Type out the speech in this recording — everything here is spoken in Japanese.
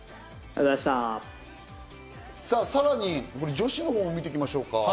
さぁ、さらに女子のほうも見ていきましょうか。